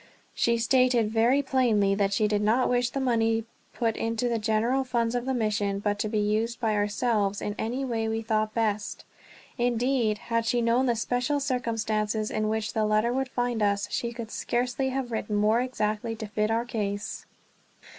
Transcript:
She stated very plainly that she did not wish the money put into the general funds of the mission, but to be used by ourselves in any way we thought best. Indeed, had she known the special circumstances in which the letter would find us, she could scarcely have written more exactly to fit our case.